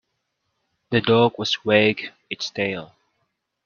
The dog was wagged its tail.